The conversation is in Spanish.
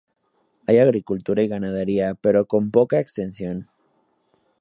Hay agricultura y ganadería pero con poca extensión.